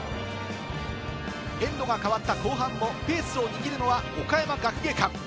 エンドがかわった後半のペースを握るのは岡山学芸館。